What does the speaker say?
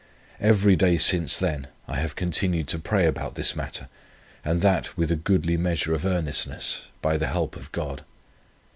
Every day since then I have continued to pray about this matter, and that with a goodly measure of earnestness, by the help of God.